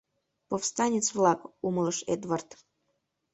“Повстанец-влак!” — умылыш Эдвард.